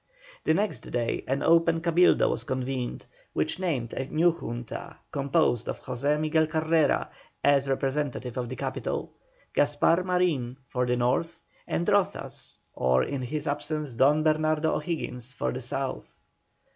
The next day an open Cabildo was convened, which named a new Junta, composed of José Miguel Carrera, as representative of the capital, Gaspar Marin for the North, and Rozas, or in his absence Don Bernardo O'Higgins, for the South.